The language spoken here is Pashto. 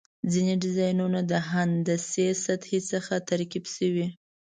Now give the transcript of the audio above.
ځینې ډیزاینونه د هندسي سطحې څخه ترکیب شوي.